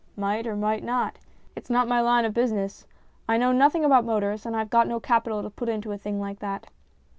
"Might, or might not. It's not my line of business. I know nothing about motors, and I've got no capital to put into a thing like that."